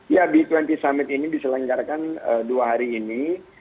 ya b dua puluh summit ini diselenggarakan dua hari ini